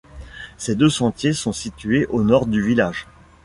Ces deux sentiers sont situés au nord du village.